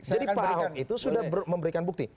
jadi pak ahok itu sudah memberikan bukti